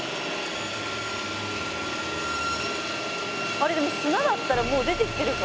あれでも砂だったらもう出てきてるか。